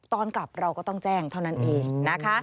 ตอนกลับเราก็ต้องแจ้งเท่านั้นเองนะคะ